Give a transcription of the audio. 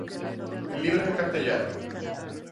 Libros en Castellano